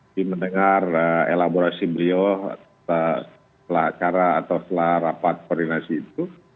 di mendengar elaborasi beliau setelah rapat koordinasi itu